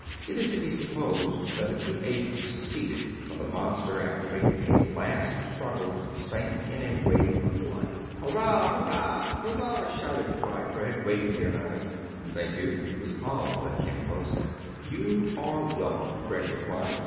It is to be supposed that the two agents succeeded ; for the monster, after mak ing a last struggle, sank in a wave of blood. " Hurrah ! hurrah ! hurrah !shouted Fry Craig, waving their knives. " Thank you," was all that Kin Fo said. " You are welcome !" Craig replied.